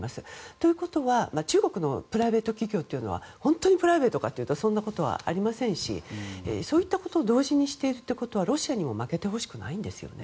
ということは中国のプライベート企業は本当にプライベートかというとそんなことはありませんしそういったことを同時にしているということはロシアにも負けてほしくないんですね。